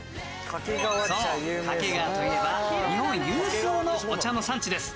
そう掛川といえば日本有数のお茶の産地です。